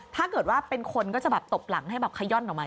ถ้าเกิดว่าเป็นคนก็จะแบบตบหลังให้แบบขย่อนออกมา